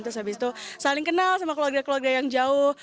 terus habis itu saling kenal sama keluarga keluarga yang jauh